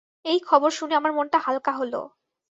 এই খবর শুনে আমার মনটা হাল্কা হল।